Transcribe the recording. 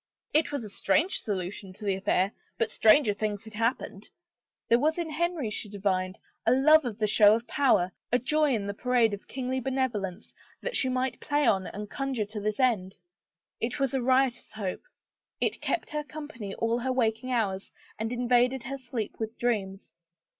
It was a strange solution to the affair but stranger things had happened. There was in Henry, she divined, a love of the show of power, a joy in the parade of kingly benevolence, that she might play on and conjure to this end. It was a riotous hope. It kept her company all her waking hours and invaded her sleep with dreams.